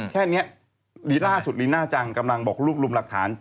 แค่นี้ลีล่าสุดลีน่าจังกำลังบอกรูปรุมหลักฐาน